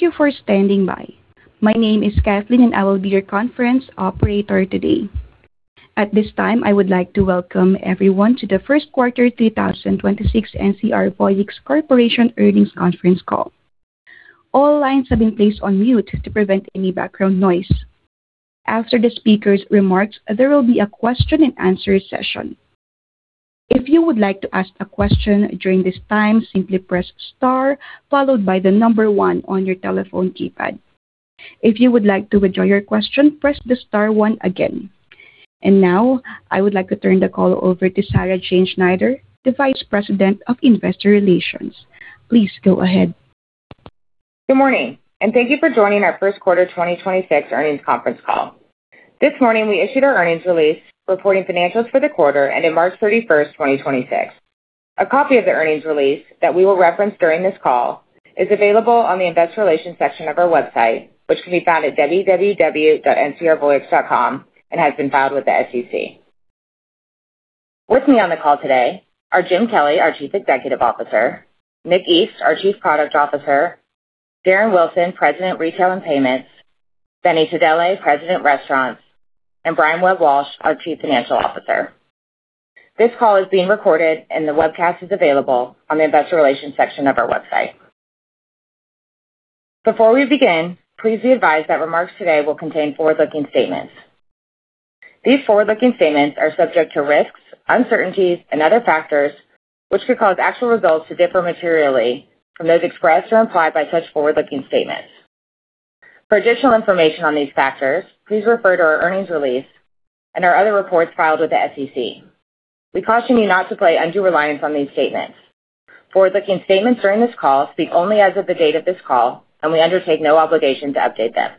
Thank you for standing by. My name is Kathleen, and I will be your conference operator today. At this time, I would like to welcome everyone to the First Quarter 2026 NCR Voyix Corporation Earnings Conference Call. All lines have been placed on mute to prevent any background noise. After the speaker's remarks, there will be a question and answer session. If you would like to ask a question during this time, simply press star followed by the number one on your telephone keypad. If you would like to withdraw your question, press star one again. Now, I would like to turn the call over to Sarah Jane Schneider, the Vice President of Investor Relations. Please go ahead. Good morning, thank you for joining our first quarter 2026 earnings conference call. This morning, we issued our earnings release reporting financials for the quarter ending March 31st, 2026. A copy of the earnings release that we will reference during this call is available on the investor relations section of our website, which can be found at www.ncrvoyix.com and has been filed with the SEC. With me on the call today are James Kelly, our Chief Executive Officer, Nick East, our Chief Product Officer, Darren Wilson, President, Retail and Payments, Benny Tadele, President, Restaurants, and Brian Webb-Walsh, our Chief Financial Officer. This call is being recorded, and the webcast is available on the investor relations section of our website. Before we begin, please be advised that remarks today will contain forward-looking statements. These forward-looking statements are subject to risks, uncertainties and other factors which could cause actual results to differ materially from those expressed or implied by such forward-looking statements. For additional information on these factors, please refer to our earnings release and our other reports filed with the SEC. We caution you not to place undue reliance on these statements. Forward-looking statements during this call speak only as of the date of this call, and we undertake no obligation to update them.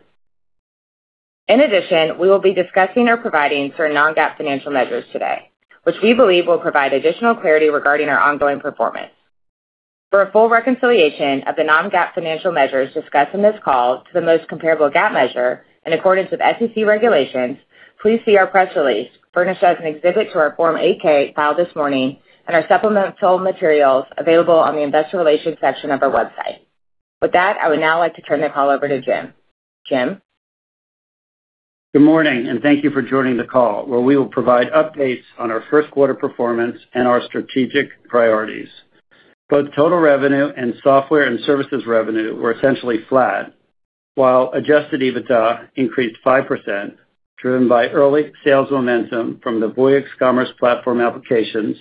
In addition, we will be discussing or providing certain non-GAAP financial measures today, which we believe will provide additional clarity regarding our ongoing performance. For a full reconciliation of the non-GAAP financial measures discussed in this call to the most comparable GAAP measure in accordance with SEC regulations, please see our press release, furnished as an exhibit to our Form 8-K filed this morning and our supplemental materials available on the Investor Relations section of our website. With that, I would now like to turn the call over to James. James? Good morning, thank you for joining the call, where we will provide updates on our first quarter performance and our strategic priorities. Both total revenue and software and services revenue were essentially flat, while Adjusted EBITDA increased 5%, driven by early sales momentum from the Voyix Commerce Platform applications,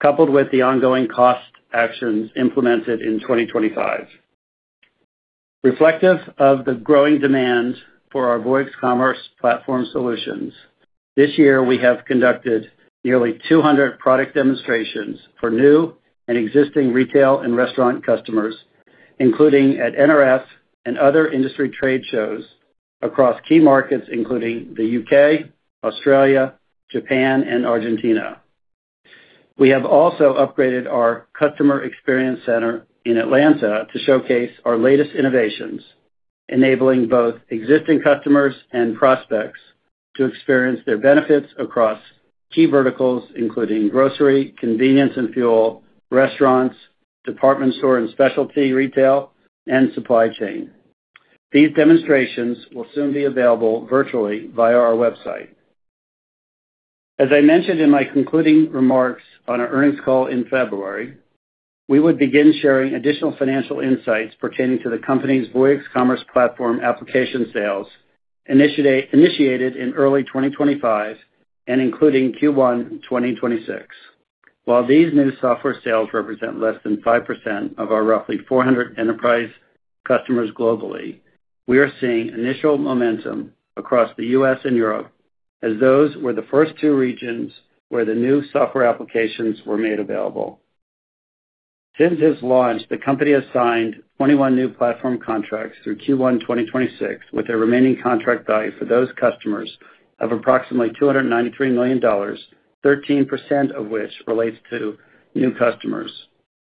coupled with the ongoing cost actions implemented in 2025. Reflective of the growing demand for our Voyix Commerce Platform solutions, this year we have conducted nearly 200 product demonstrations for new and existing retail and restaurant customers, including at NRF and other industry trade shows across key markets, including the U.K., Australia, Japan and Argentina. We have also upgraded our customer experience center in Atlanta to showcase our latest innovations, enabling both existing customers and prospects to experience their benefits across key verticals including grocery, convenience and fuel, restaurants, department store and specialty retail, and supply chain. These demonstrations will soon be available virtually via our website. As I mentioned in my concluding remarks on our earnings call in February, we would begin sharing additional financial insights pertaining to the company's Voyix Commerce Platform application sales initiated in early 2025 and including Q1 2026. While these new software sales represent less than 5% of our roughly 400 enterprise customers globally, we are seeing initial momentum across the U.S. and Europe, as those were the first two regions where the new software applications were made available. Since its launch, the company has signed 21 new platform contracts through Q1 2026, with a remaining contract value for those customers of approximately $293 million, 13% of which relates to new customers.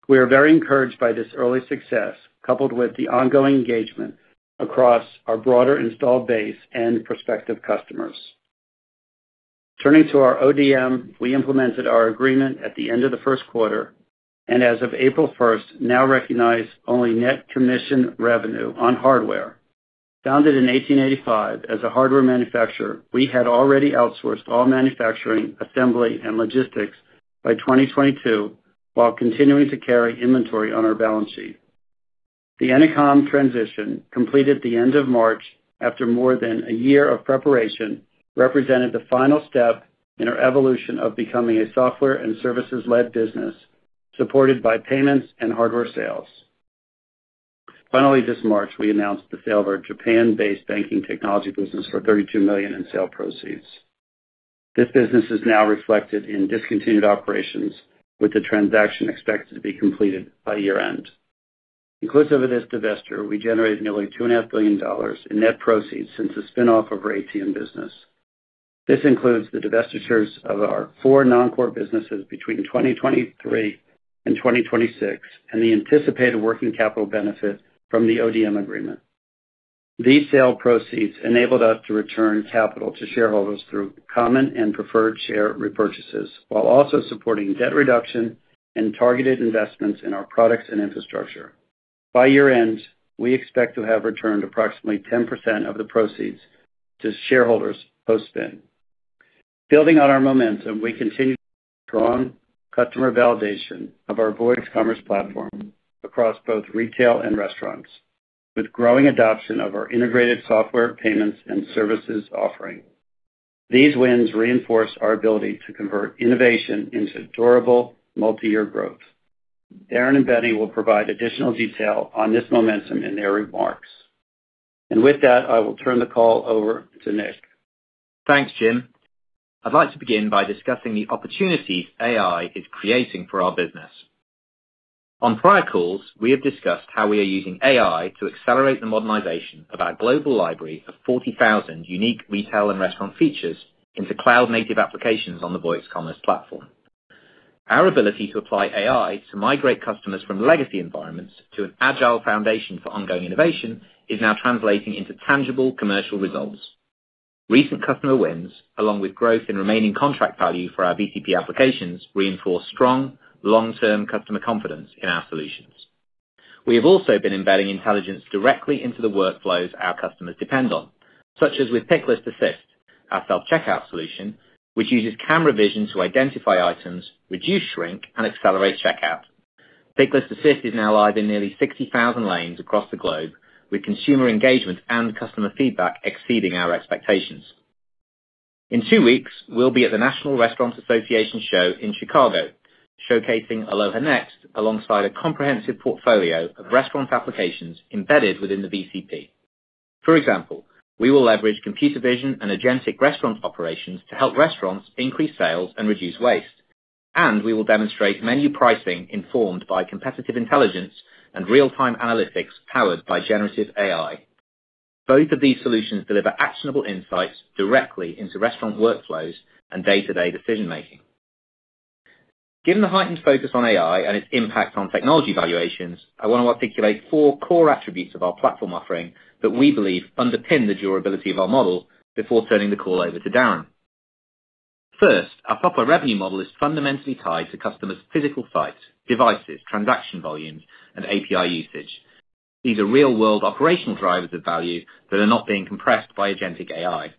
We are very encouraged by this early success, coupled with the ongoing engagement across our broader installed base and prospective customers. Turning to our ODM, we implemented our agreement at the end of the first quarter and as of April first, now recognize only net commission revenue on hardware. Founded in 1885 as a hardware manufacturer, we had already outsourced all manufacturing, assembly and logistics by 2022, while continuing to carry inventory on our balance sheet. The Ennoconn transition, completed the end of March after more than a year of preparation, represented the final step in our evolution of becoming a software and services-led business, supported by payments and hardware sales. Finally, this March, we announced the sale of our Japan-based banking technology business for $32 million in sale proceeds. This business is now reflected in discontinued operations, with the transaction expected to be completed by year-end. Inclusive of this divestiture, we generated nearly $2.5 billion in net proceeds since the spin-off of our ATM business. This includes the divestitures of our four non-core businesses between 2023 and 2026, and the anticipated working capital benefit from the ODM agreement. These sale proceeds enabled us to return capital to shareholders through common and preferred share repurchases, while also supporting debt reduction and targeted investments in our products and infrastructure. By year-end, we expect to have returned approximately 10% of the proceeds to shareholders post-spin. Building on our momentum, we continue strong customer validation of our Voyix Commerce Platform across both retail and restaurants, with growing adoption of our integrated software payments and services offering. These wins reinforce our ability to convert innovation into durable multi-year growth. Darren and Benny will provide additional detail on this momentum in their remarks. With that, I will turn the call over to Nick. Thanks, James. I'd like to begin by discussing the opportunities AI is creating for our business. On prior calls, we have discussed how we are using AI to accelerate the modernization of our global library of 40,000 unique retail and restaurant features into cloud-native applications on the Voyix Commerce Platform. Our ability to apply AI to migrate customers from legacy environments to an agile foundation for ongoing innovation is now translating into tangible commercial results. Recent customer wins, along with growth in remaining contract value for our VCP applications, reinforce strong long-term customer confidence in our solutions. We have also been embedding intelligence directly into the workflows our customers depend on, such as with Picklist Assist, our self-checkout solution, which uses camera vision to identify items, reduce shrink, and accelerate checkout. Picklist Assist is now live in nearly 60,000 lanes across the globe, with consumer engagement and customer feedback exceeding our expectations. In two weeks, we'll be at the National Restaurant Association show in Chicago, showcasing Aloha Next, alongside a comprehensive portfolio of restaurant applications embedded within the BCP. For example, we will leverage computer vision and agentic restaurant operations to help restaurants increase sales and reduce waste. We will demonstrate menu pricing informed by competitive intelligence and real-time analytics powered by generative AI. Both of these solutions deliver actionable insights directly into restaurant workflows and day-to-day decision-making. Given the heightened focus on AI and its impact on technology valuations, I want to articulate four core attributes of our platform offering that we believe underpin the durability of our model before turning the call over to Darren. First, our proper revenue model is fundamentally tied to customers' physical sites, devices, transaction volumes, and API usage. These are real-world operational drivers of value that are not being compressed by agentic AI.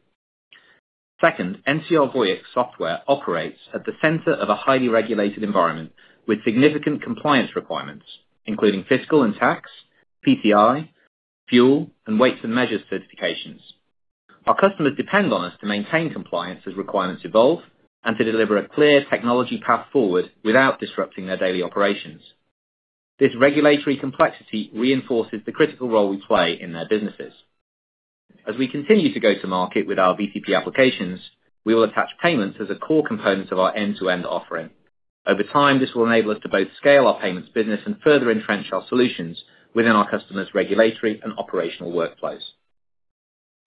Second, NCR Voyix software operates at the center of a highly regulated environment with significant compliance requirements, including fiscal and tax, PCI, fuel, and weights and measures certifications. Our customers depend on us to maintain compliance as requirements evolve, and to deliver a clear technology path forward without disrupting their daily operations. This regulatory complexity reinforces the critical role we play in their businesses. As we continue to go to market with our VCP applications, we will attach payments as a core component of our end-to-end offering. Over time, this will enable us to both scale our payments business and further entrench our solutions within our customers' regulatory and operational workplace.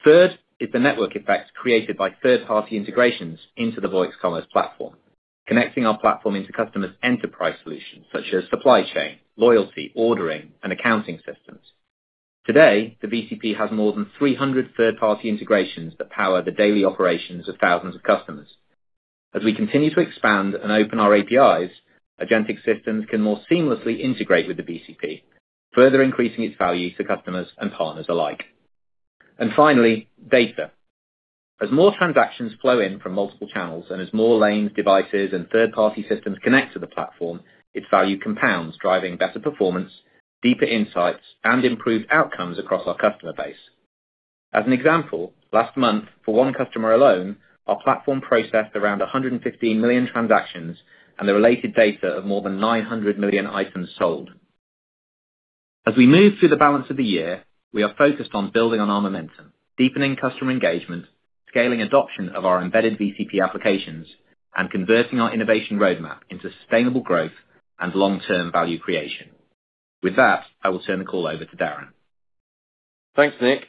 Third is the network effects created by third-party integrations into the Voyix Commerce Platform, connecting our platform into customers' enterprise solutions such as supply chain, loyalty, ordering, and accounting systems. Today, the BCP has more than 300 third-party integrations that power the daily operations of thousands of customers. As we continue to expand and open our APIs, agentic systems can more seamlessly integrate with the BCP, further increasing its value to customers and partners alike. Finally, data. As more transactions flow in from multiple channels, and as more lanes, devices, and third-party systems connect to the platform, its value compounds, driving better performance, deeper insights, and improved outcomes across our customer base. As an example, last month, for one customer alone, our platform processed around 115 million transactions and the related data of more than 900 million items sold. As we move through the balance of the year, we are focused on building on our momentum, deepening customer engagement, scaling adoption of our embedded BCP applications, and converting our innovation roadmap into sustainable growth and long-term value creation. With that, I will turn the call over to Darren. Thanks, Nick.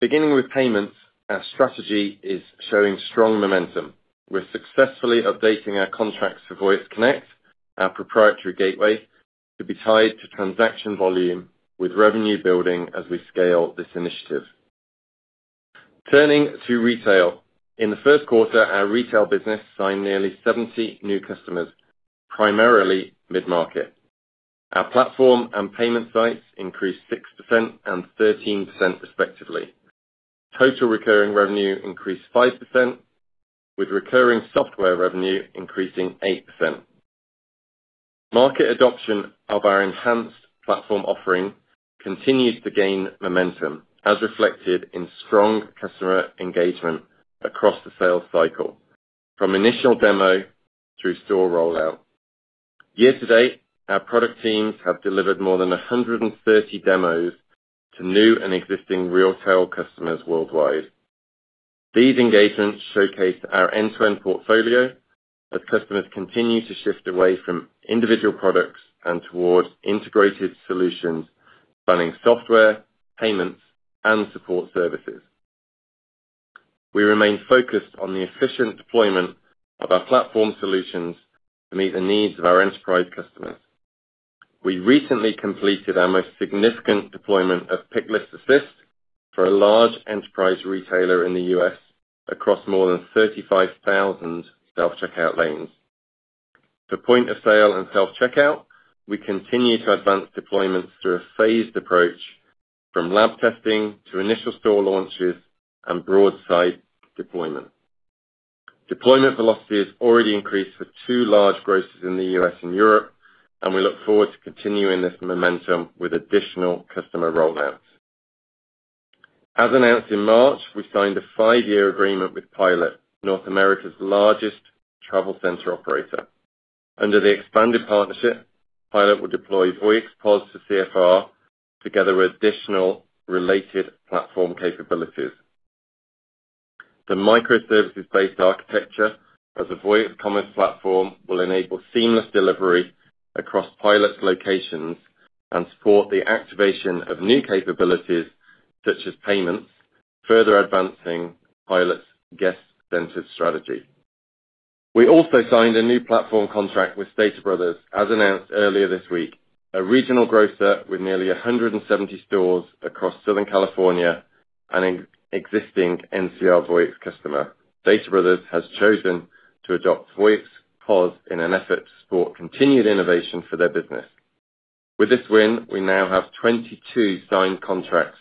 Beginning with payments, our strategy is showing strong momentum. We're successfully updating our contracts for Voyix Connect, our proprietary gateway, to be tied to transaction volume with revenue building as we scale this initiative. Turning to retail. In the first quarter, our retail business signed nearly 70 new customers, primarily mid-market. Our platform and payment sites increased 6% and 13% respectively. Total recurring revenue increased 5%, with recurring software revenue increasing 8%. Market adoption of our enhanced platform offering continues to gain momentum, as reflected in strong customer engagement across the sales cycle, from initial demo through store rollout. Year to date, our product teams have delivered more than 130 demos to new and existing retail customers worldwide. These engagements showcased our end-to-end portfolio as customers continue to shift away from individual products and towards integrated solutions spanning software, payments, and support services. We remain focused on the efficient deployment of our platform solutions to meet the needs of our enterprise customers. We recently completed our most significant deployment of Picklist Assist for a large enterprise retailer in the U.S. across more than 35,000 self-checkout lanes. For point-of-sale and self-checkout, we continue to advance deployments through a phased approach from lab testing to initial store launches and broad site deployment. Deployment velocity has already increased for two large grocers in the U.S. and Europe, and we look forward to continuing this momentum with additional customer rollouts. As announced in March, we signed a five-year agreement with Pilot, North America's largest travel center operator. Under the expanded partnership, Pilot will deploy Voyix POS to C&FR together with additional related platform capabilities. The microservices-based architecture of the Voyix Commerce Platform will enable seamless delivery across Pilot's locations and support the activation of new capabilities, such as payments, further advancing Pilot's guest-centered strategy. We also signed a new platform contract with Stater Brothers, as announced earlier this week, a regional grocer with nearly 170 stores across Southern California, an existing NCR Voyix customer. Stater Brothers has chosen to adopt Voyix POS in an effort to support continued innovation for their business. With this win, we now have 22 signed contracts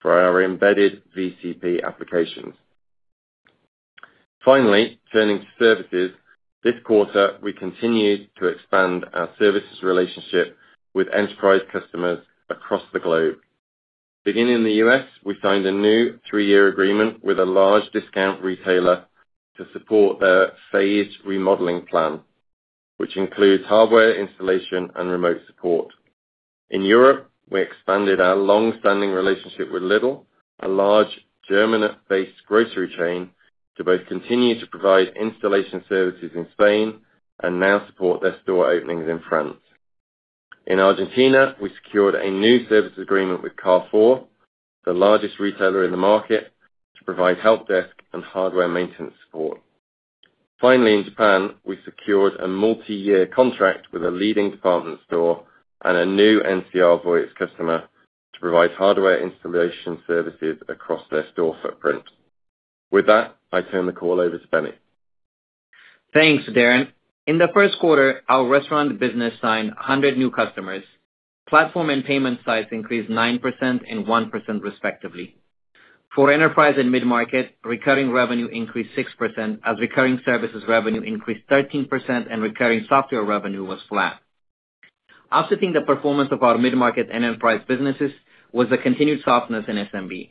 for our embedded VCP applications. Finally turning to services, this quarter, we continued to expand our services relationship with enterprise customers across the globe. Beginning in the U.S., we signed a new three-year agreement with a large discount retailer to support their phased remodeling plan, which includes hardware installation and remote support. In Europe, we expanded our long-standing relationship with Lidl, a large German-based grocery chain, to both continue to provide installation services in Spain and now support their store openings in France. In Argentina, we secured a new services agreement with Carrefour, the largest retailer in the market, to provide help desk and hardware maintenance support. Finally, in Japan, we secured a multiyear contract with a leading department store and a new NCR Voyix customer to provide hardware installation services across their store footprint. With that, I turn the call over to Benny. Thanks, Darren. In the first quarter, our restaurant business signed 100 new customers. Platform and payment size increased 9% and 1%, respectively. For enterprise and mid-market, recurring revenue increased 6% as recurring services revenue increased 13% and recurring software revenue was flat. Offsetting the performance of our mid-market and enterprise businesses was the continued softness in SMB.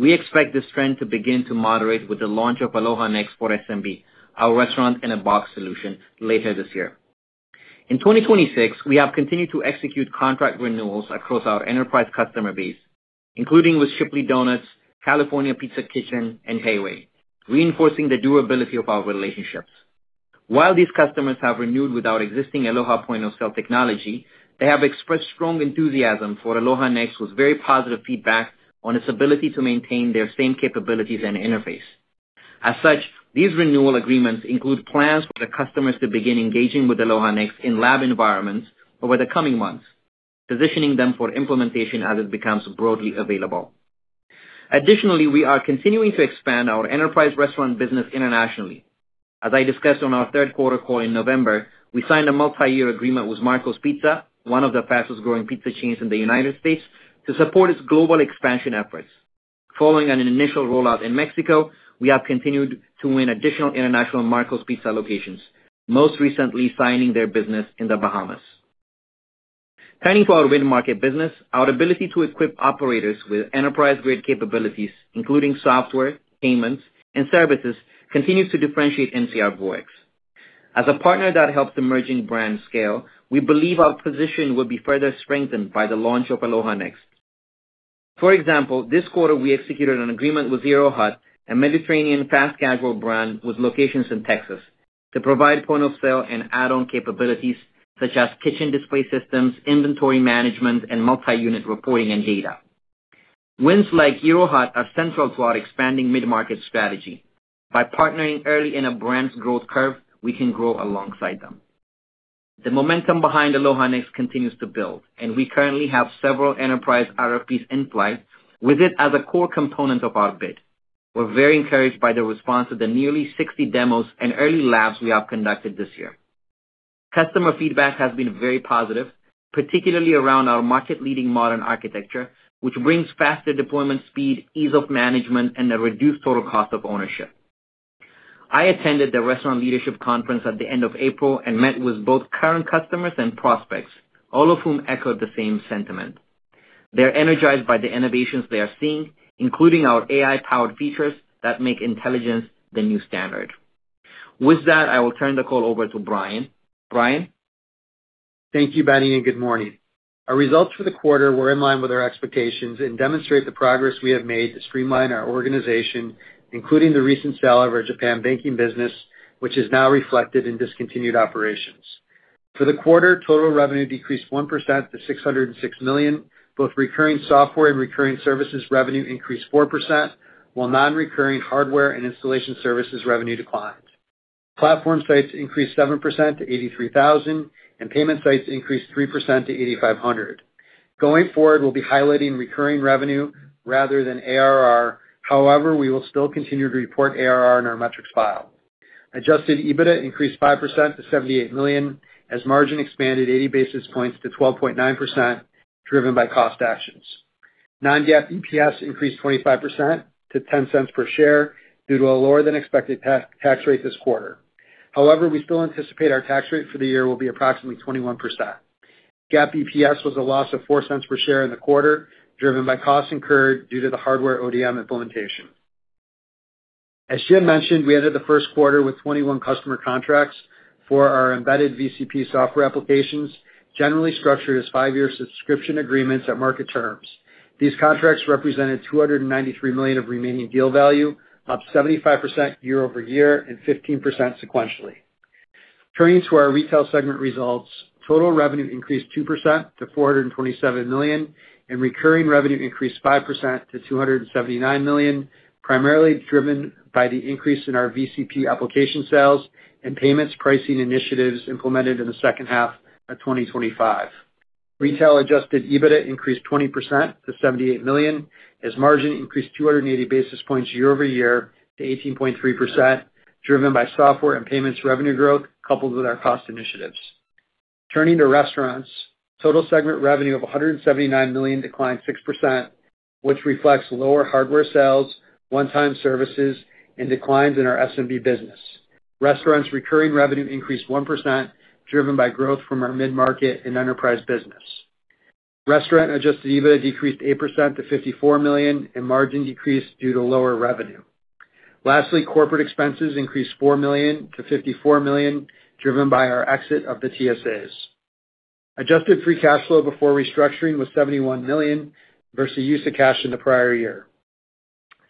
We expect this trend to begin to moderate with the launch of Aloha Next for SMB, our restaurant in-a-box solution, later this year. In 2026, we have continued to execute contract renewals across our enterprise customer base, including with Shipley Do-Nuts, California Pizza Kitchen, and Heywood, reinforcing the durability of our relationships. While these customers have renewed without our existing Aloha point-of-sale technology, they have expressed strong enthusiasm for Aloha Next with very positive feedback on its ability to maintain their same capabilities and interface. As such, these renewal agreements include plans for the customers to begin engaging with Aloha Next in lab environments over the coming months, positioning them for implementation as it becomes broadly available. Additionally, we are continuing to expand our enterprise restaurant business internationally. As I discussed on our third quarter call in November, we signed a multiyear agreement with Marco's Pizza, one of the fastest-growing pizza chains in the United States, to support its global expansion efforts. Following an initial rollout in Mexico, we have continued to win additional international Marco's Pizza locations, most recently signing their business in the Bahamas. Turning to our mid-market business, our ability to equip operators with enterprise-grade capabilities, including software, payments, and services, continues to differentiate NCR Voyix. As a partner that helps emerging brands scale, we believe our position will be further strengthened by the launch of Aloha Next. For example, this quarter, we executed an agreement with Gyro Hut, a Mediterranean fast-casual brand with locations in Texas, to provide point-of-sale and add-on capabilities such as kitchen display systems, inventory management, and multi-unit reporting and data. Wins like Gyro Hut are central to our expanding mid-market strategy. By partnering early in a brand's growth curve, we can grow alongside them. The momentum behind Aloha Next continues to build, and we currently have several enterprise RFPs in flight with it as a core component of our bid. We're very encouraged by the response of the nearly 60 demos and early labs we have conducted this year. Customer feedback has been very positive, particularly around our market-leading modern architecture, which brings faster deployment speed, ease of management, and a reduced total cost of ownership. I attended the Restaurant Leadership Conference at the end of April and met with both current customers and prospects, all of whom echoed the same sentiment. They're energized by the innovations they are seeing, including our AI-powered features that make intelligence the new standard. With that, I will turn the call over to Brian. Brian? Thank you, Benny, and good morning. Our results for the quarter were in line with our expectations and demonstrate the progress we have made to streamline our organization, including the recent sale of our Japan banking business, which is now reflected in discontinued operations. For the quarter, total revenue decreased 1% to $606 million. Both recurring software and recurring services revenue increased 4%, while non-recurring hardware and installation services revenue declined. Platform sites increased 7% to 83,000, and payment sites increased 3% to 8,500. Going forward, we'll be highlighting recurring revenue rather than ARR. However, we will still continue to report ARR in our metrics file. Adjusted EBITDA increased 5% to $78 million as margin expanded 80 basis points to 12.9%, driven by cost actions. Non-GAAP EPS increased 25% to $0.10 per share due to a lower than expected tax rate this quarter. However, we still anticipate our tax rate for the year will be approximately 21%. GAAP EPS was a loss of $0.04 per share in the quarter, driven by costs incurred due to the hardware ODM implementation. As James mentioned, we ended the first quarter with 21 customer contracts for our embedded VCP software applications, generally structured as five-year subscription agreements at market terms. These contracts represented $293 million of remaining deal value, up 75% YoY and 15% sequentially. Turning to our retail segment results. Total revenue increased 2% to $427 million, and recurring revenue increased 5% to $279 million, primarily driven by the increase in our VCP application sales and payments pricing initiatives implemented in the second half of 2025. Retail Adjusted EBITDA increased 20% to $78 million as margin increased 280 basis points YoY to 18.3%, driven by software and payments revenue growth coupled with our cost initiatives. Turning to Restaurants. Total segment revenue of $179 million declined 6%, which reflects lower hardware sales, one-time services, and declines in our SMB business. Restaurants recurring revenue increased 1%, driven by growth from our mid-market and enterprise business. Restaurant Adjusted EBITDA decreased 8% to $54 million, and margin decreased due to lower revenue. Lastly, corporate expenses increased $4 million to $54 million, driven by our exit of the TSAs. Adjusted free cash flow before restructuring was $71 million versus use of cash in the prior year.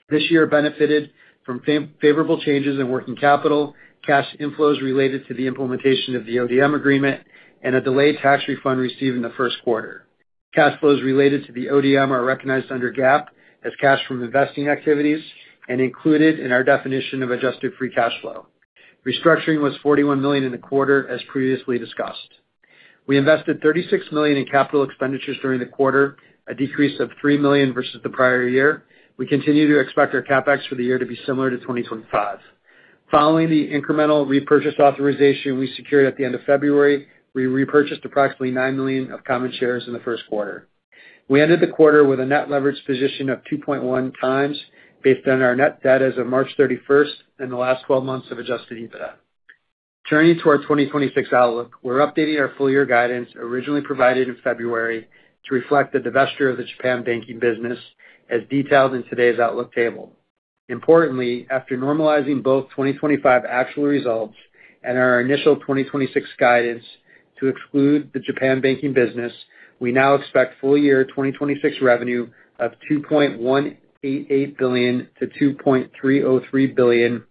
This year benefited from favorable changes in working capital, cash inflows related to the implementation of the ODM agreement, and a delayed tax refund received in the first quarter. Cash flows related to the ODM are recognized under GAAP as cash from investing activities and included in our definition of adjusted free cash flow. Restructuring was $41 million in the quarter as previously discussed. We invested $36 million in capital expenditures during the quarter, a decrease of $3 million versus the prior year. We continue to expect our CapEx for the year to be similar to 2025. Following the incremental repurchase authorization we secured at the end of February, we repurchased approximately $9 million of common shares in the first quarter. We ended the quarter with a net leverage position of 2.1 times based on our net debt as of March 31st and the last 12 months of Adjusted EBITDA. Turning to our 2026 outlook, we're updating our full year guidance originally provided in February to reflect the divesture of the Japan banking business as detailed in today's outlook table. Importantly, after normalizing both 2025 actual results and our initial 2026 guidance to exclude the Japan banking business, we now expect full year 2026 revenue of $2.188 billion-$2.303 billion, and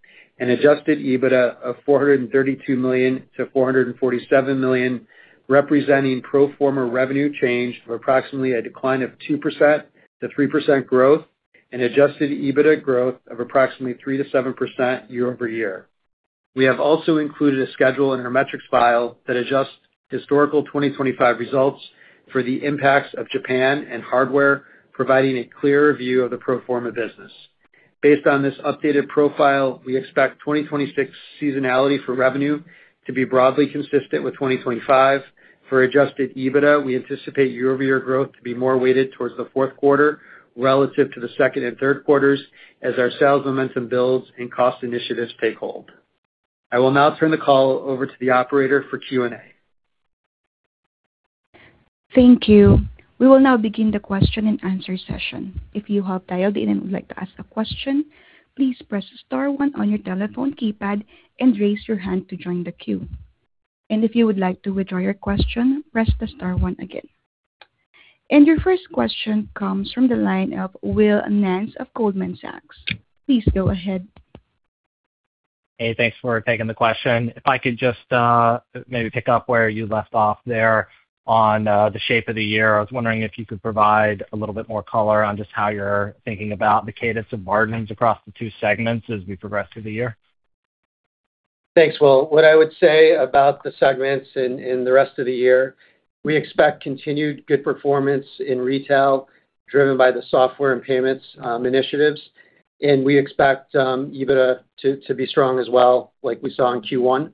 Adjusted EBITDA of $432 million-$447 million, representing pro forma revenue change of approximately a decline of 2%-3% growth and Adjusted EBITDA growth of approximately 3%-7% YoY. We have also included a schedule in our metrics file that adjusts historical 2025 results for the impacts of Japan and hardware, providing a clearer view of the pro forma business. Based on this updated profile, we expect 2026 seasonality for revenue to be broadly consistent with 2025. For Adjusted EBITDA, we anticipate YoY growth to be more weighted towards the fourth quarter relative to the second and third quarters as our sales momentum builds and cost initiatives take hold. I will now turn the call over to the operator for Q&A. Thank you. We will now begin the question and answer session. If you have dialed in and would like to ask a question, please press star one on your telephone keypad and raise your hand to join the queue. If you would like to withdraw your question, press the star one again. Your first question comes from the line of Will Nance of Goldman Sachs. Please go ahead. Hey, thanks for taking the question. If I could just, maybe pick up where you left off there on, the shape of the year. I was wondering if you could provide a little bit more color on just how you're thinking about the cadence of margins across the two segments as we progress through the year. Thanks, Will. What I would say about the segments in the rest of the year, we expect continued good performance in retail, driven by the software and payments initiatives, we expect EBITDA to be strong as well, like we saw in Q1.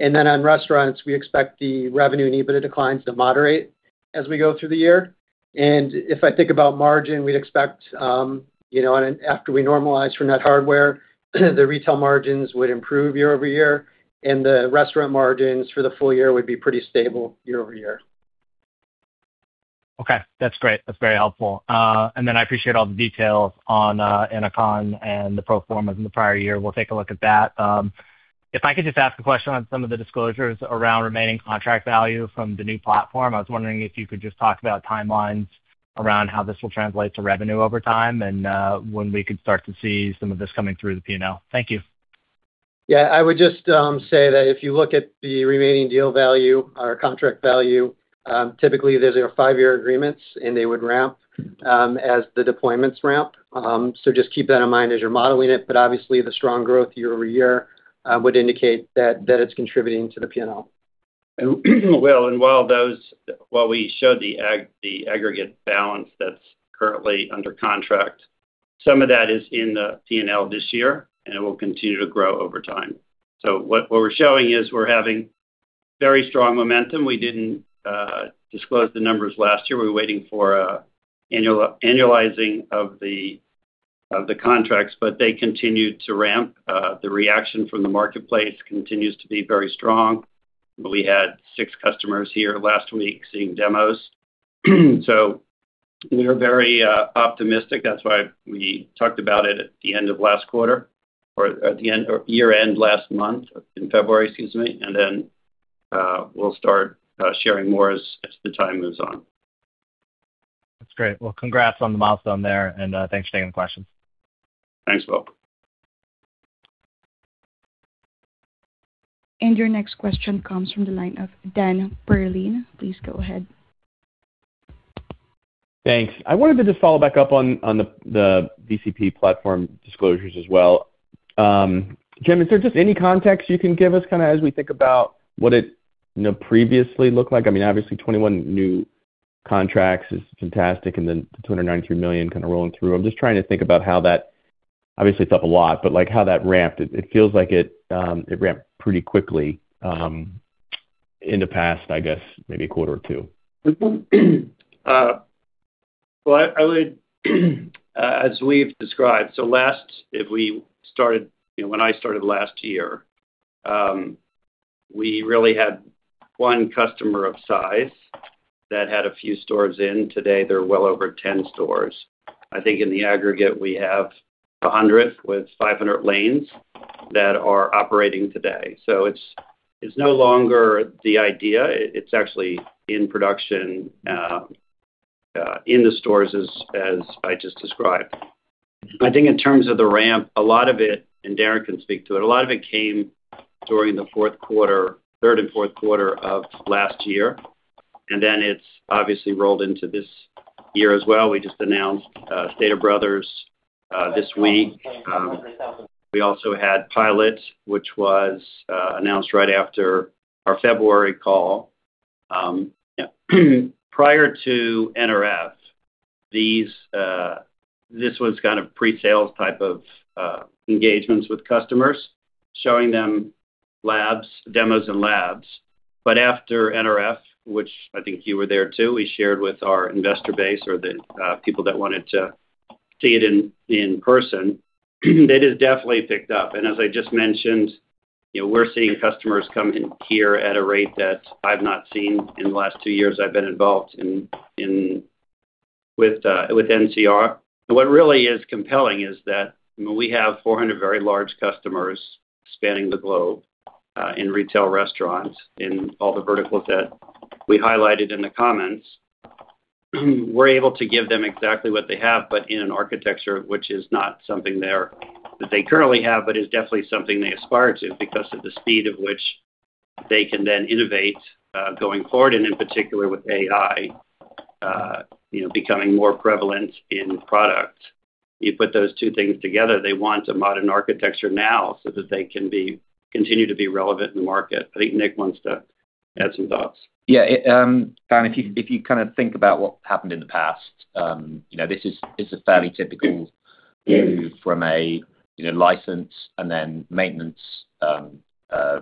On restaurants, we expect the revenue and EBITDA declines to moderate as we go through the year. If I think about margin, we'd expect, you know, and after we normalize for net hardware, the retail margins would improve YoY, and the restaurant margins for the full year would be pretty stable YoY. Okay, that's great. That's very helpful. I appreciate all the details on Cardtronics and the pro forma from the prior year. We'll take a look at that. If I could just ask a question on some of the disclosures around remaining contract value from the new platform. I was wondering if you could just talk about timelines around how this will translate to revenue over time when we could start to see some of this coming through the P&L. Thank you. Yeah, I would just say that if you look at the remaining deal value or contract value, typically, those are five-year agreements and they would ramp as the deployments ramp. Just keep that in mind as you're modeling it, obviously the strong growth YoY would indicate that it's contributing to the P&L. Well, while those, while we show the aggregate balance that's currently under contract, some of that is in the P&L this year, and it will continue to grow over time. What we're showing is we're having very strong momentum. We didn't disclose the numbers last year. We were waiting for annualizing of the contracts. They continued to ramp. The reaction from the marketplace continues to be very strong. We had six customers here last week seeing demos. We are very optimistic. That's why we talked about it at the end of last quarter or at the year-end last month, in February, excuse me, we'll start sharing more as the time moves on. That's great. Well, congrats on the milestone there and thanks for taking the questions. Thanks, Will. Your next question comes from the line of Dan Perlin. Please go ahead. Thanks. I wanted to just follow back up on the VCP platform disclosures as well. James, is there just any context you can give us kinda as we think about what it, you know, previously looked like? I mean, obviously, 21 new contracts is fantastic, and then $293 million kind of rolling through. I'm just trying to think about obviously it's up a lot, but, like, how that ramped. It feels like it ramped pretty quickly in the past, I guess, maybe a quarter or two. Well, I would as we've described, so if we started, you know, when I started last year, we really had one customer of size that had a few stores in. Today, they're well over 10 stores. I think in the aggregate, we have 100 with 500 lanes that are operating today. It's no longer the idea. It's actually in production in the stores as I just described. I think in terms of the ramp, a lot of it, and Darren can speak to it, a lot of it came during the fourth quarter, third and fourth quarter of last year, and then it's obviously rolled into this year as well. We just announced Stater Brothers this week. We also had Pilot, which was announced right after our February call. Prior to NRF, these, this was kind of pre-sales type of engagements with customers, showing them labs, demos and labs. After NRF, which I think you were there too, we shared with our investor base or the people that wanted to see it in person, it has definitely picked up. As I just mentioned, you know, we're seeing customers come in here at a rate that I've not seen in the last two years I've been involved in, with NCR. What really is compelling is that when we have 400 very large customers spanning the globe, in retail restaurants, in all the verticals that we highlighted in the comments, we're able to give them exactly what they have, but in an architecture which is not something that they currently have, but is definitely something they aspire to because of the speed at which they can then innovate, going forward, and in particular with AI, you know, becoming more prevalent in products. You put those two things together, they want a modern architecture now so that they can be, continue to be relevant in the market. I think Nick wants to add some thoughts. Yeah, it, Dan, if you kind of think about what happened in the past, you know, this is a fairly typical move from a, you know, license and then maintenance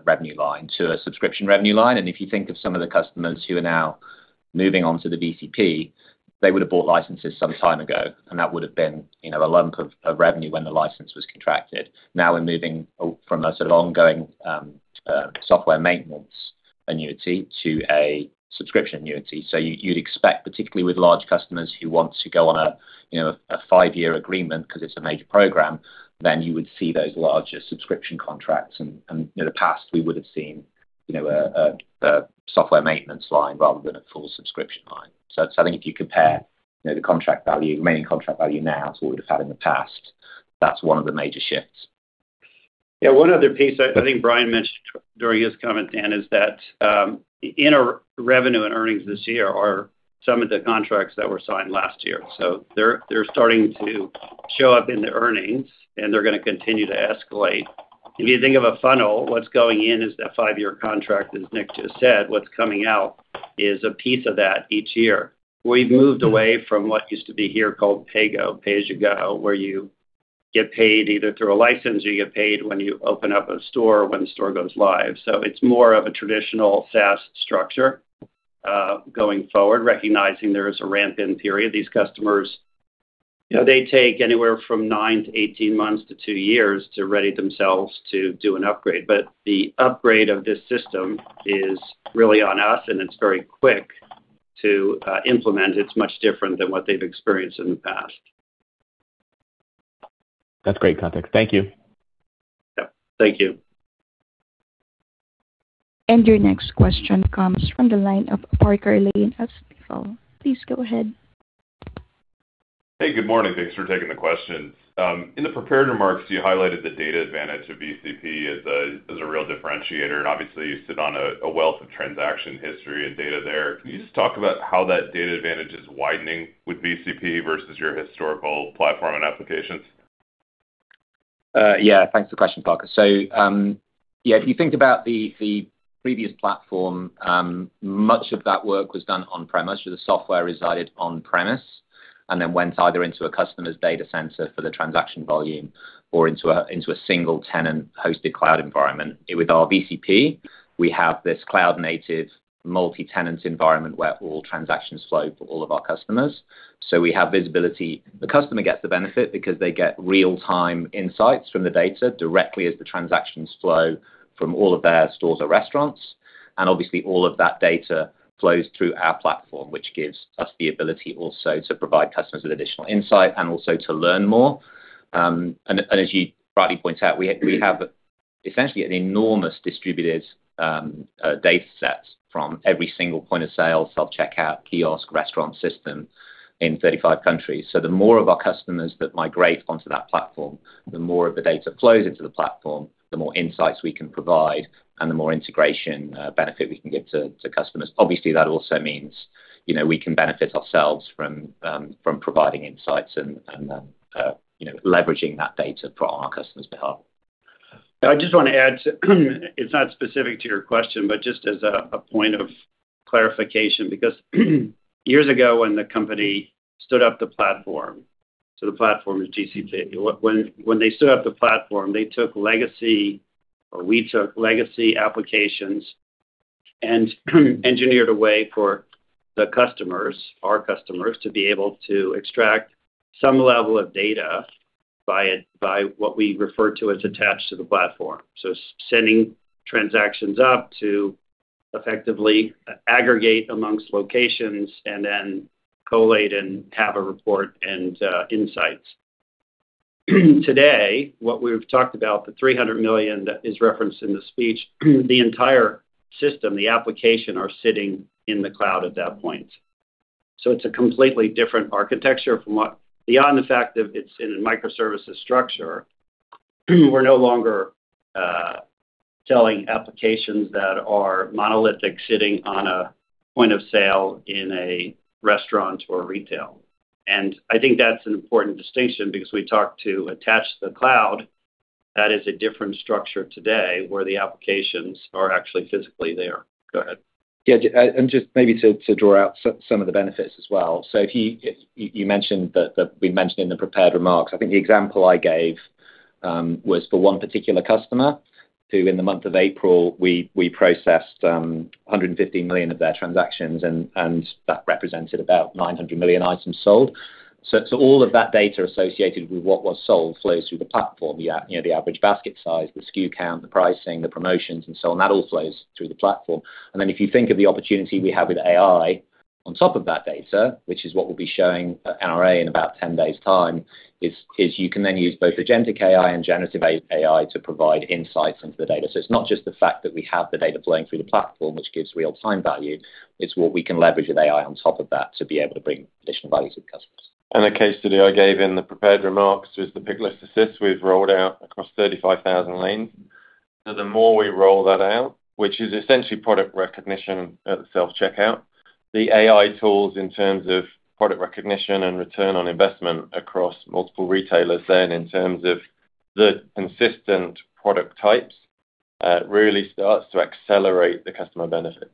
revenue line to a subscription revenue line. If you think of some of the customers who are now moving on to the VCP, they would have bought licenses some time ago, and that would have been, you know, a lump of revenue when the license was contracted. Now we're moving from a sort of ongoing software maintenance annuity to a subscription annuity. You'd expect, particularly with large customers who want to go on a, you know, a five-year agreement because it's a major program, you would see those larger subscription contracts. In the past, we would have seen, you know, a software maintenance line rather than a full subscription line. I think if you compare, you know, the contract value, remaining contract value now to what we'd have had in the past, that's one of the major shifts. One other piece I think Brian mentioned during his comment, Dan, is that in our revenue and earnings this year are some of the contracts that were signed last year. They're starting to show up in the earnings, and they're gonna continue to escalate. If you think of a funnel, what's going in is that five-year contract, as Nick just said. What's coming out is a piece of that each year. We've moved away from what used to be here called PAYGO, pay as you go, where you get paid either through a license, or you get paid when you open up a store or when the store goes live. It's more of a traditional SaaS structure, going forward, recognizing there is a ramp-in period. These customers, you know, they take anywhere from nine to 18 months to two years to ready themselves to do an upgrade. The upgrade of this system is really on us, and it's very quick to implement. It's much different than what they've experienced in the past. That's great context. Thank you. Yeah. Thank you. Your next question comes from the line of Parker Lane at Stifel. Please go ahead. Hey, good morning. Thanks for taking the questions. In the prepared remarks, you highlighted the data advantage of VCP as a real differentiator, and obviously you sit on a wealth of transaction history and data there. Can you just talk about how that data advantage is widening with VCP versus your historical platform and applications? Yeah, thanks for the question, Parker. If you think about the previous platform, much of that work was done on-premise, so the software resided on-premise and then went either into a customer's data center for the transaction volume or into a single tenant hosted cloud environment. With our VCP, we have this cloud-native multi-tenant environment where all transactions flow for all of our customers. We have visibility. The customer gets the benefit because they get real-time insights from the data directly as the transactions flow from all of their stores or restaurants. Obviously, all of that data flows through our platform, which gives us the ability also to provide customers with additional insight and also to learn more. As you rightly point out, we have essentially an enormous distributed data set from every single point of sale, self-checkout, kiosk, restaurant system in 35 countries. The more of our customers that migrate onto that platform, the more of the data flows into the platform, the more insights we can provide and the more integration benefit we can give to customers. Obviously, that also means, you know, we can benefit ourselves from providing insights and, you know, leveraging that data for our customers' behalf. I just want to add, it's not specific to your question, but just as a point of clarification, because years ago when the company stood up the platform, the platform is GCP. When they stood up the platform, they took legacy, or we took legacy applications and engineered a way for the customers, our customers, to be able to extract some level of data by it, by what we refer to as attach to the platform. Sending transactions up to effectively aggregate amongst locations and then collate and have a report and insights. Today, what we've talked about, the $300 million that is referenced in the speech, the entire system, the application are sitting in the cloud at that point. It's a completely different architecture. Beyond the fact that it's in a microservices structure, we're no longer selling applications that are monolithic, sitting on a point of sale in a restaurant or retail. I think that's an important distinction because we talked to attach to the cloud. That is a different structure today where the applications are actually physically there. Go ahead. Yeah, and just maybe to draw out some of the benefits as well. If you mentioned that we mentioned in the prepared remarks, I think the example I gave was for one particular customer who in the month of April, we processed 150 million of their transactions and that represented about 900 million items sold. All of that data associated with what was sold flows through the platform, you know, the average basket size, the SKU count, the pricing, the promotions and so on. That all flows through the platform. Then if you think of the opportunity we have with AI on top of that data, which is what we'll be showing at NRA in about 10 days' time, you can then use both agentic AI and generative AI to provide insights into the data. It's not just the fact that we have the data flowing through the platform, which gives real-time value, it's what we can leverage with AI on top of that to be able to bring additional value to the customers. The case study I gave in the prepared remarks was the Picklist Assist we've rolled out across 35,000 lanes. The more we roll that out, which is essentially product recognition at the self-checkout, the AI tools in terms of product recognition and ROI across multiple retailers then in terms of the consistent product types, really starts to accelerate the customer benefits.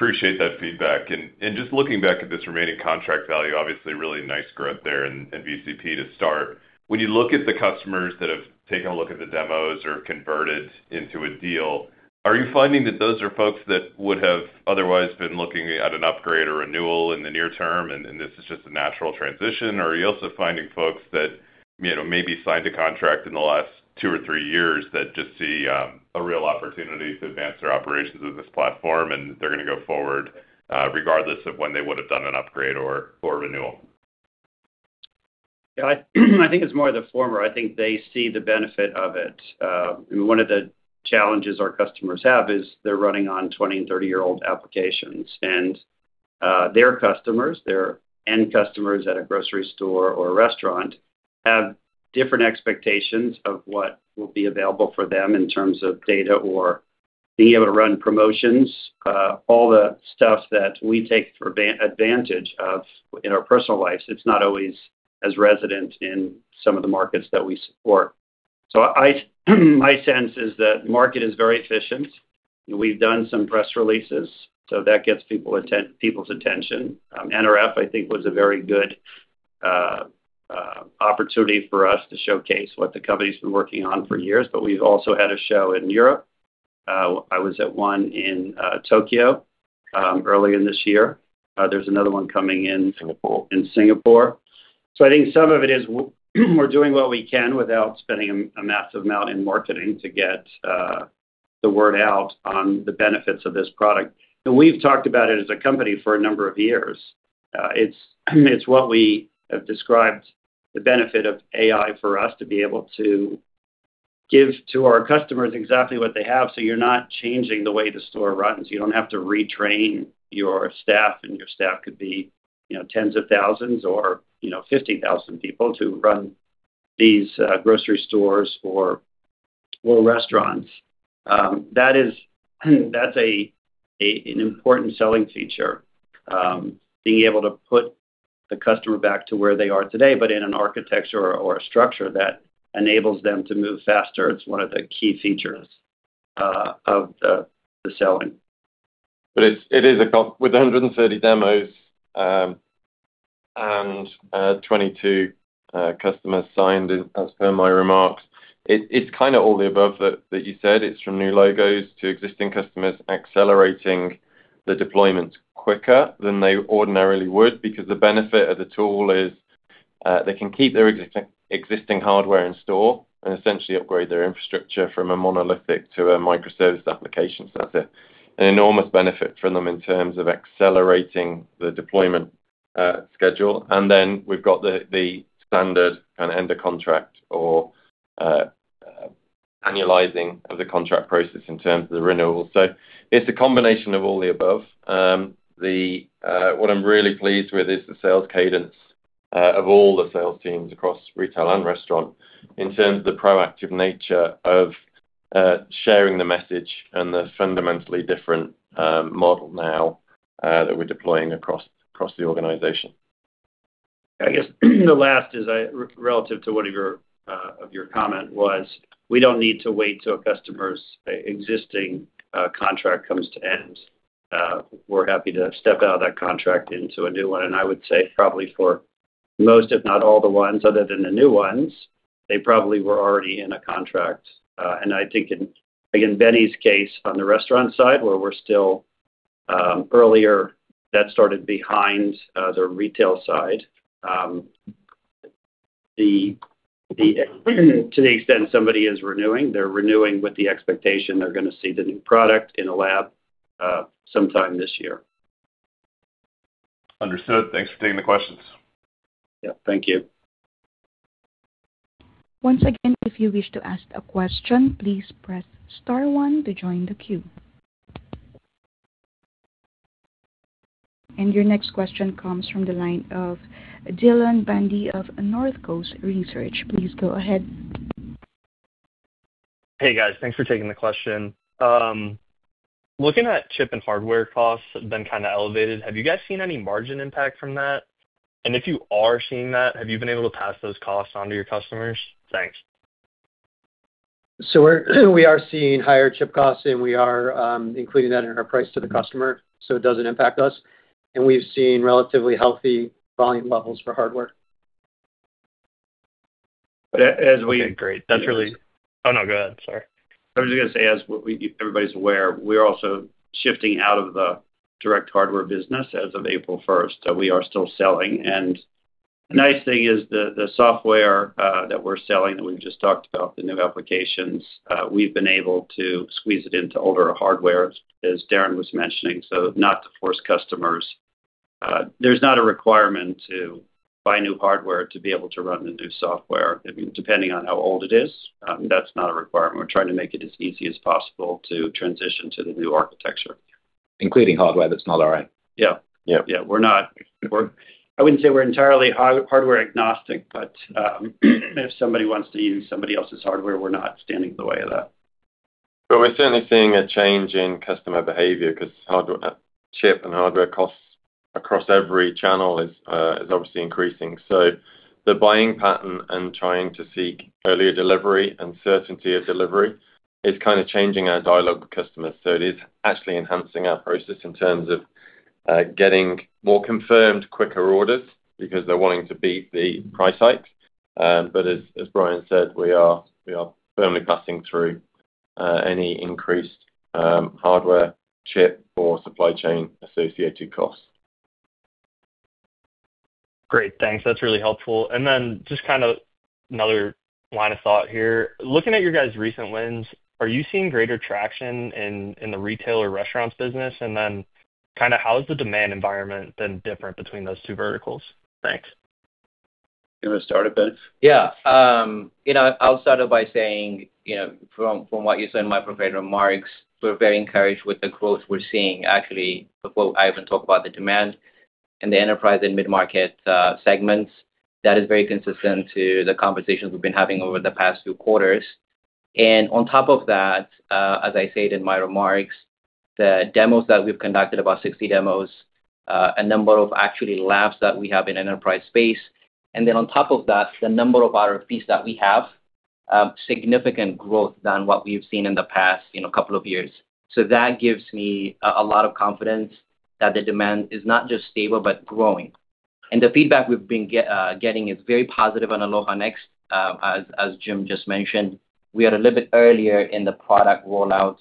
Appreciate that feedback. Just looking back at this remaining contract value, obviously really nice growth there in VCP to start. When you look at the customers that have taken a look at the demos or converted into a deal, are you finding that those are folks that would have otherwise been looking at an upgrade or renewal in the near term, and this is just a natural transition? Or are you also finding folks that, you know, maybe signed a contract in the last two or three years that just see a real opportunity to advance their operations with this platform, and they're going to go forward regardless of when they would have done an upgrade or renewal? Yeah, I think it's more of the former. I think they see the benefit of it. one of the challenges our customers have is they're running on 20 and 30-year-old applications. Their customers, their end customers at a grocery store or a restaurant, have different expectations of what will be available for them in terms of data or being able to run promotions. All the stuff that we take for advantage of in our personal lives, it's not always as resident in some of the markets that we support. I sense is that market is very efficient. We've done some press releases, that gets people's attention. NRF, I think, was a very good opportunity for us to showcase what the company's been working on for years. We've also had a show in Europe. I was at one in Tokyo earlier this year. There's another one coming in Singapore. I think some of it is we're doing what we can without spending a massive amount in marketing to get the word out on the benefits of this product. We've talked about it as a company for a number of years. It's what we have described the benefit of AI for us to be able to give to our customers exactly what they have, so you're not changing the way the store runs. You don't have to retrain your staff, and your staff could be, you know, tens of thousands or, you know, 50,000 people to run these grocery stores or restaurants. That's an important selling feature, being able to put the customer back to where they are today, but in an architecture or a structure that enables them to move faster. It's one of the key features of the selling. It is With 130 demos, and 22 customers signed as per my remarks, it's kinda all the above that you said. It's from new logos to existing customers accelerating the deployments quicker than they ordinarily would because the benefit of the tool is, they can keep their existing hardware in store and essentially upgrade their infrastructure from a monolithic to a microservice application. That's an enormous benefit for them in terms of accelerating the deployment schedule. Then we've got the standard kind of end of contract or annualizing of the contract process in terms of the renewal. It's a combination of all the above. What I'm really pleased with is the sales cadence of all the sales teams across retail and restaurant in terms of the proactive nature of sharing the message and the fundamentally different model now that we're deploying across the organization. I guess the last is relative to one of your comment was we don't need to wait till a customer's existing contract comes to end. We're happy to step out of that contract into a new one. I would say probably for most, if not all the ones other than the new ones, they probably were already in a contract. I think in, again, Benny's case on the restaurant side where we're still earlier, that started behind the retail side. To the extent somebody is renewing, they're renewing with the expectation they're gonna see the new product in a lab sometime this year. Understood. Thanks for taking the questions. Yeah. Thank you. Once again, if you wish to ask a question, please press star one to join the queue. Your next question comes from the line of Dylan Bandy of Northcoast Research. Please go ahead. Hey, guys. Thanks for taking the question. Looking at chip and hardware costs have been kind of elevated, have you guys seen any margin impact from that? If you are seeing that, have you been able to pass those costs onto your customers? Thanks. We are seeing higher chip costs, and we are including that in our price to the customer, so it doesn't impact us. We've seen relatively healthy volume levels for hardware. As we- Okay, great. That's really. Oh, no, go ahead. Sorry. I was just gonna say, as everybody's aware, we are also shifting out of the direct hardware business as of April 1st. We are still selling. The nice thing is the software that we're selling that we've just talked about, the new applications, we've been able to squeeze it into older hardware, as Darren was mentioning, so not to force customers. There's not a requirement to buy new hardware to be able to run the new software. I mean, depending on how old it is, that's not a requirement. We're trying to make it as easy as possible to transition to the new architecture. Including hardware that's not our own. Yeah. Yeah. Yeah. I wouldn't say we're entirely hardware agnostic, but if somebody wants to use somebody else's hardware, we're not standing in the way of that. We're certainly seeing a change in customer behavior 'cause hardware, chip and hardware costs across every channel is obviously increasing. The buying pattern and trying to seek earlier delivery and certainty of delivery is kinda changing as I look at customers. It is actually enhancing our process in terms of getting more confirmed quicker orders because they're wanting to beat the price hike. As, as Brian said, we are, we are firmly passing through any increased hardware, chip, or supply chain associated costs. Great. Thanks. That's really helpful. Just kind of another line of thought here. Looking at your guys' recent wins, are you seeing greater traction in the retail or restaurants business? Kind of how is the demand environment then different between those two verticals? Thanks. You wanna start it, Benny? Yeah. You know, I'll start it by saying, you know, from what you said in my prepared remarks, we're very encouraged with the growth we're seeing actually before I even talk about the demand in the enterprise and mid-market segments. That is very consistent to the conversations we've been having over the past few quarters. On top of that, as I stated in my remarks, the demos that we've conducted, about 60 demos, a number of actually labs that we have in enterprise space. On top of that, the number of RFPs that we have, significant growth than what we've seen in the past, in a couple of years. That gives me a lot of confidence that the demand is not just stable but growing. The feedback we've been getting is very positive on Aloha Next, as James just mentioned. We are a little bit earlier in the product rollout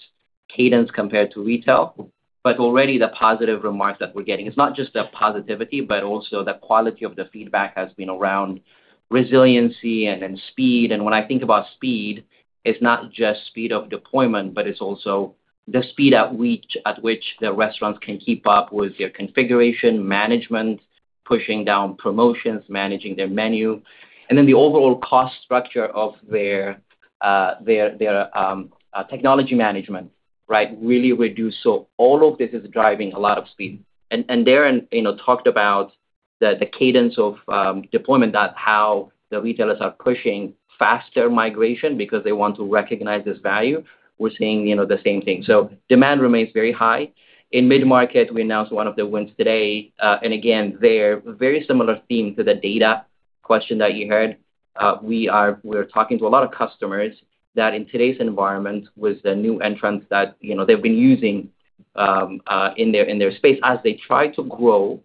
cadence compared to retail, but already the positive remarks that we're getting. It's not just the positivity, but also the quality of the feedback has been around resiliency and then speed. When I think about speed, it's not just speed of deployment, but it's also the speed at which the restaurants can keep up with their configuration, management pushing down promotions, managing their menu, and then the overall cost structure of their technology management, right, really reduced. All of this is driving a lot of speed. Darren, you know, talked about the cadence of deployment, that how the retailers are pushing faster migration because they want to recognize this value. We're seeing, you know, the same thing. Demand remains very high. In mid-market, we announced one of the wins today. Again, they're very similar theme to the data question that you heard. We're talking to a lot of customers that in today's environment, with the new entrants that, you know, they've been using in their space as they try to grow,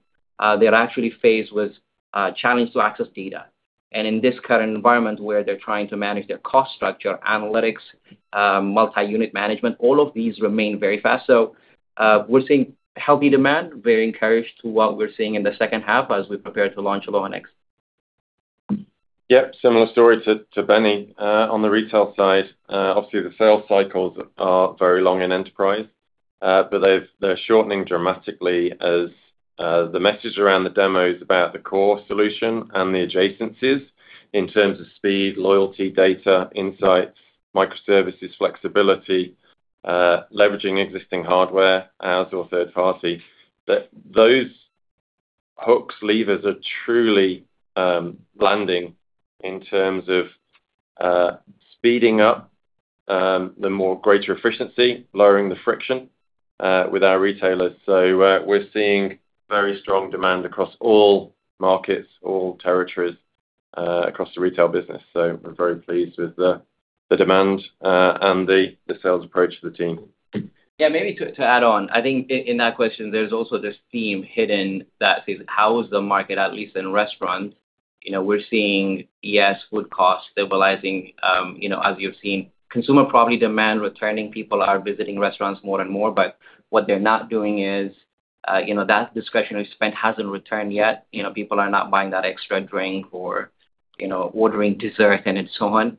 they're actually faced with a challenge to access data. In this current environment where they're trying to manage their cost structure, analytics, multi-unit management, all of these remain very fast. We're seeing healthy demand. Very encouraged to what we're seeing in the second half as we prepare to launch Voyix. Yep, similar story to Benny. On the retail side, obviously the sales cycles are very long in enterprise, but they're shortening dramatically as the message around the demos about the core solution and the adjacencies in terms of speed, loyalty, data, insights, microservices, flexibility, leveraging existing hardware, ours or third party. Those hooks, levers are truly landing in terms of speeding up the more greater efficiency, lowering the friction with our retailers. We're seeing very strong demand across all markets, all territories across the retail business. We're very pleased with the demand and the sales approach of the team. Yeah, maybe to add on, I think in that question, there's also this theme hidden that says, how is the market, at least in restaurant? You know, we're seeing, yes, food costs stabilizing, you know, as you've seen consumer property demand returning, people are visiting restaurants more and more, but what they're not doing is, you know, that discretionary spend hasn't returned yet. You know, people are not buying that extra drink or, you know, ordering dessert and so on.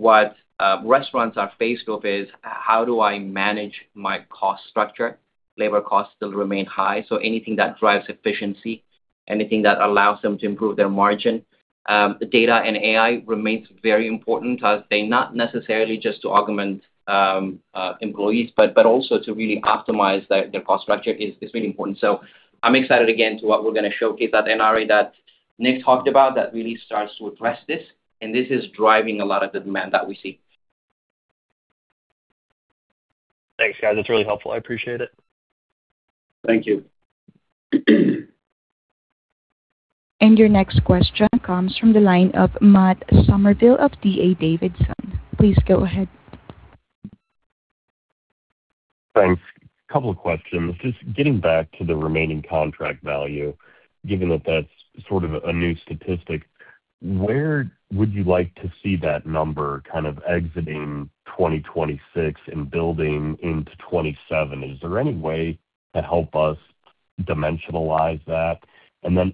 What restaurants are faced with is, how do I manage my cost structure? Labor costs still remain high, so anything that drives efficiency, anything that allows them to improve their margin. Data and AI remains very important as they not necessarily just to augment employees, but also to really optimize their cost structure is really important. I'm excited again to what we're gonna showcase at NRA that Nick talked about that really starts to address this, and this is driving a lot of the demand that we see. Thanks, guys. That's really helpful. I appreciate it. Thank you. Your next question comes from the line of Matt Summerville of D.A. Davidson. Please go ahead. Thanks. Couple questions. Just getting back to the remaining contract value, given that that's sort of a new statistic, where would you like to see that number kind of exiting 2026 and building into 2027? Is there any way to help us dimensionalize that?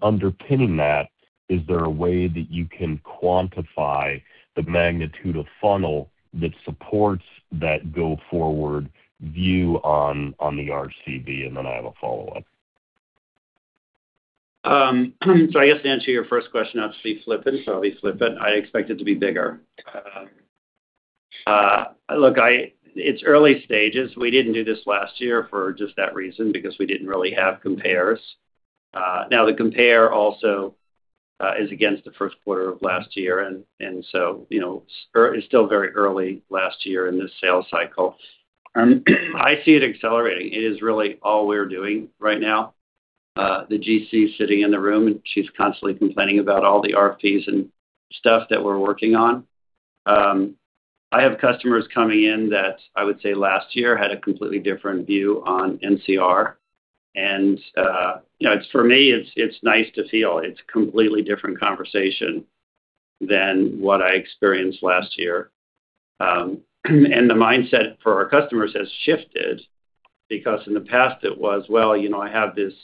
Underpinning that, is there a way that you can quantify the magnitude of funnel that supports that go forward view on the RCV? I have a follow-up. I guess to answer your first question, I'll be flippant. I expect it to be bigger. Look, it's early stages. We didn't do this last year for just that reason, because we didn't really have compares. Now the compare also is against the first quarter of last year, and, you know, it's still very early last year in this sales cycle. I see it accelerating. It is really all we're doing right now. The GC is sitting in the room, and she's constantly complaining about all the RFPs and stuff that we're working on. I have customers coming in that I would say last year had a completely different view on NCR. You know, it's, for me, it's nice to see all. It's a completely different conversation than what I experienced last year. The mindset for our customers has shifted because in the past it was, well, you know, I have this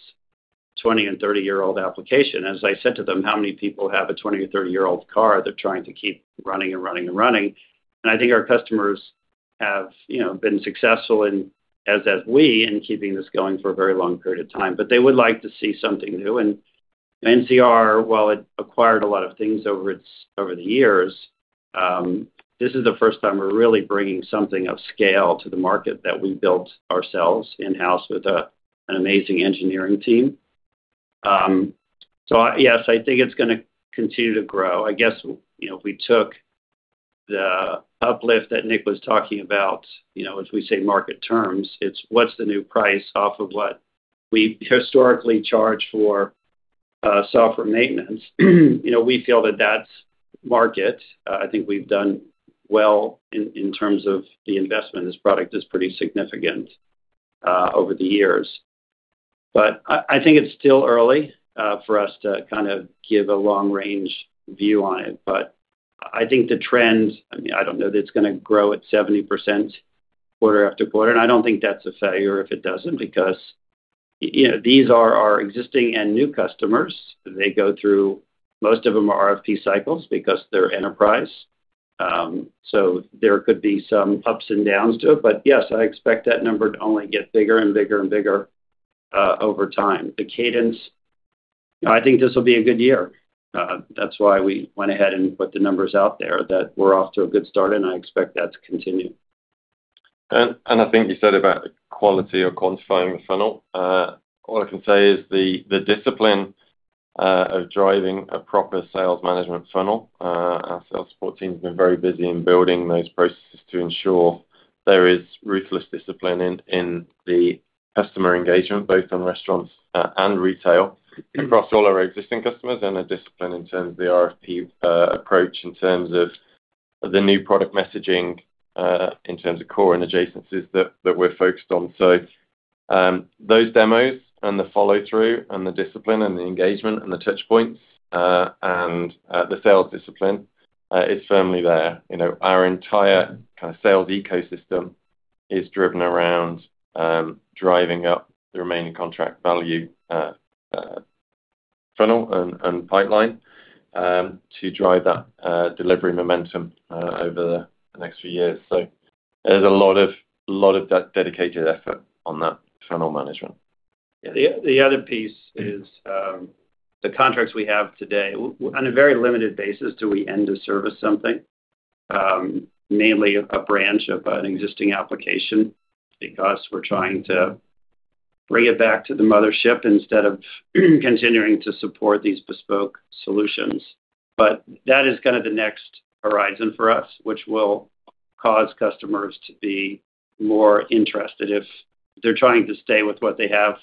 20 and 30-year-old application. As I said to them, how many people have a 20 or 30-year-old car they're trying to keep running and running and running? I think our customers have, you know, been successful and as have we in keeping this going for a very long period of time. They would like to see something new. NCR, while it acquired a lot of things over the years, this is the first time we're really bringing something of scale to the market that we built ourselves in-house with an amazing engineering team. Yes, I think it's gonna continue to grow. I guess, you know, if we took the uplift that Nick was talking about, you know, as we say, market terms, it's what's the new price off of what we historically charge for software maintenance. You know, we feel that that's market. I think we've done well in terms of the investment. This product is pretty significant over the years. I think it's still early for us to kind of give a long range view on it. I think the trends, I mean, I don't know that it's gonna grow at 70% quarter-after-quarter, and I don't think that's a failure if it doesn't, because, you know, these are our existing and new customers. They go through Most of them are RFP cycles because they're enterprise. So there could be some ups and downs to it. Yes, I expect that number to only get bigger and bigger and bigger over time. The cadence, I think this will be a good year. That's why we went ahead and put the numbers out there that we're off to a good start, and I expect that to continue. I think you said about the quality or quantifying the funnel. All I can say is the discipline of driving a proper sales management funnel, our sales support team has been very busy in building those processes to ensure there is ruthless discipline in the customer engagement, both on restaurants and retail across all our existing customers, and a discipline in terms of the RFP approach, in terms of the new product messaging, in terms of core and adjacencies that we're focused on. Those demos and the follow-through and the discipline and the engagement and the touch points, and the sales discipline is firmly there. You know, our entire kind of sales ecosystem is driven around driving up the remaining contract value funnel and pipeline to drive that delivery momentum over the next few years. There's a lot of that dedicated effort on that funnel management. Yeah. The other piece is the contracts we have today. On a very limited basis do we end-of-service something, mainly a branch of an existing application, because we're trying to bring it back to the mothership instead of continuing to support these bespoke solutions. That is kinda the next horizon for us, which will cause customers to be more interested. If they're trying to stay with what they have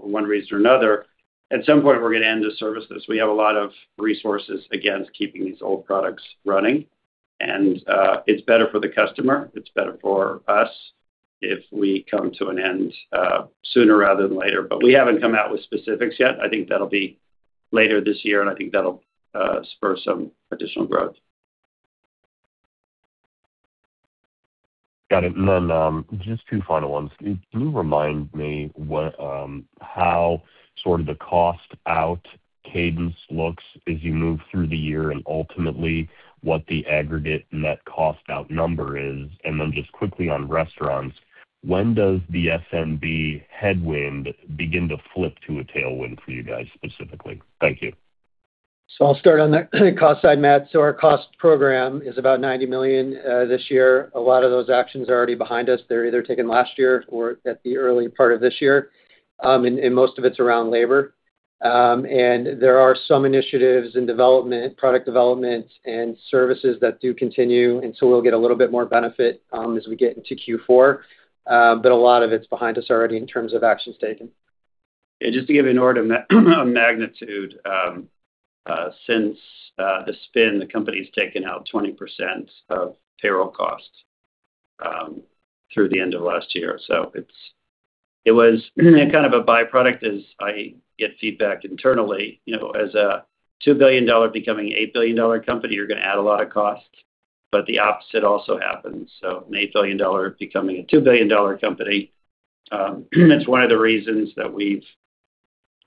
for one reason or another, at some point we're gonna end the services. We have a lot of resources, again, keeping these old products running. It's better for the customer, it's better for us if we come to an end sooner rather than later. We haven't come out with specifics yet. I think that'll be later this year, and I think that'll spur some additional growth. Got it. Just two final ones. Can you remind me what, how sort of the cost out cadence looks as you move through the year, and ultimately what the aggregate net cost out number is? Just quickly on restaurants, when does the SMB headwind begin to flip to a tailwind for you guys specifically? Thank you. I'll start on the cost side, Matt. Our cost program is about $90 million this year. A lot of those actions are already behind us. They're either taken last year or at the early part of this year. Most of it's around labor. There are some initiatives in development, product development and services that do continue, we'll get a little bit more benefit as we get into Q4. A lot of it's behind us already in terms of actions taken. Just to give you an order of magnitude, since the spin, the company's taken out 20% of payroll costs through the end of last year. It was kind of a byproduct as I get feedback internally. You know, as a $2 billion becoming $8 billion company, you're gonna add a lot of costs, but the opposite also happens. An $8 billion becoming a $2 billion company, that's one of the reasons that we've,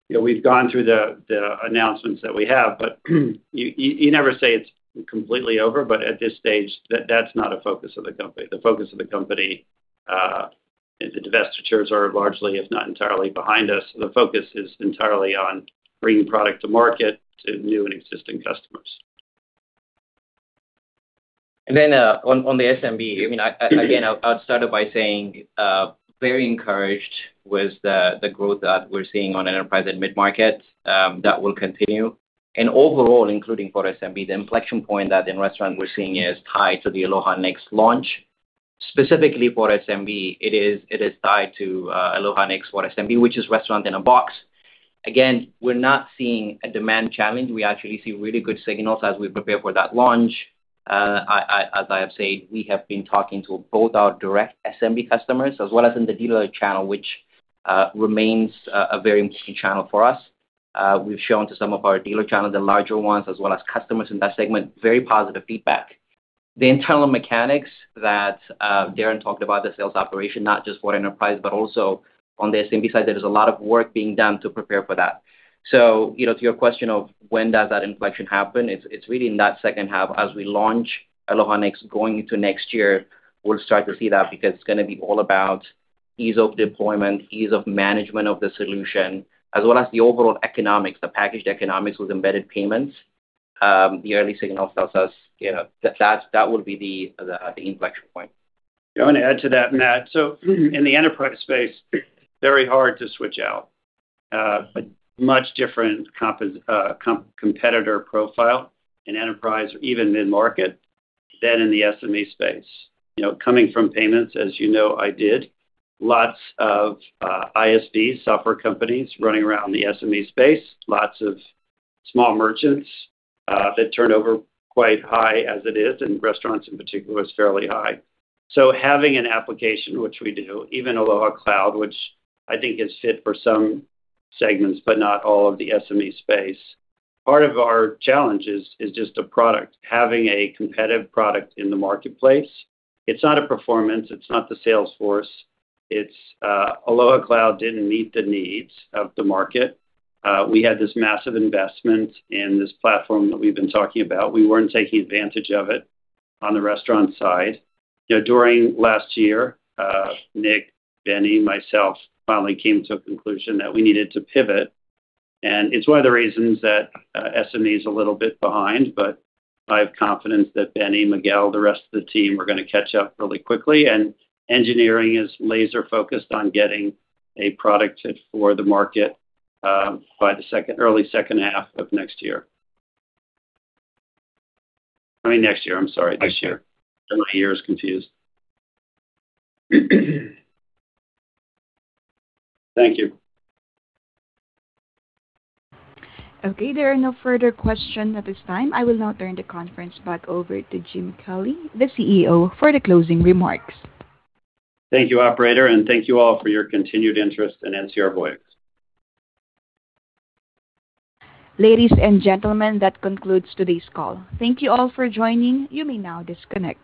you know, we've gone through the announcements that we have. You never say it's completely over, but at this stage, that's not a focus of the company. The focus of the company, the divestitures are largely, if not entirely behind us. The focus is entirely on bringing product to market to new and existing customers. On the SMB, I mean, I, again, I would start off by saying, very encouraged with the growth that we're seeing on enterprise and mid-market, that will continue. Overall, including for SMB, the inflection point that in restaurant we're seeing is tied to the Aloha Next launch. Specifically for SMB, it is tied to Aloha Next for SMB, which is restaurant in a box. Again, we're not seeing a demand challenge. We actually see really good signals as we prepare for that launch. I as I have said, we have been talking to both our direct SMB customers as well as in the dealer channel, which remains a very key channel for us. We've shown to some of our dealer channels, the larger ones, as well as customers in that segment, very positive feedback. The internal mechanics that Darren talked about, the sales operation, not just for enterprise, but also on the SMB side, there is a lot of work being done to prepare for that. You know, to your question of when does that inflection happen, it's really in that second half as we launch Aloha Next going into next year, we'll start to see that because it's gonna be all about ease of deployment, ease of management of the solution, as well as the overall economics, the packaged economics with embedded payments. The early signals tells us, you know, that that's, that would be the inflection point. I wanna add to that, Matt. In the enterprise space, very hard to switch out. A much different competitor profile in enterprise or even mid-market than in the SME space. You know, coming from payments, as you know I did, lots of ISVs, software companies running around the SME space, lots of small merchants, that turnover quite high as it is, and restaurants in particular is fairly high. Having an application, which we do, even Aloha Cloud, which I think is fit for some segments, but not all of the SME space, part of our challenge is just a product, having a competitive product in the marketplace. It's not a performance, it's not the sales force, it's, Aloha Cloud didn't meet the needs of the market. We had this massive investment in this platform that we've been talking about. We weren't taking advantage of it on the restaurant side. You know, during last year, Nick, Benny, myself finally came to a conclusion that we needed to pivot. It's one of the reasons that SME is a little bit behind, but I have confidence that Benny, Miguel, the rest of the team are gonna catch up really quickly. Engineering is laser focused on getting a product fit for the market, early second half of next year. I mean, next year, I'm sorry. This year. My year is confused. Thank you. Okay, there are no further questions at this time. I will now turn the conference back over to James Kelly, the Chief Executive Officer, for the closing remarks. Thank you, operator, and thank you all for your continued interest in NCR Voyix. Ladies and gentlemen, that concludes today's call. Thank you all for joining. You may now disconnect.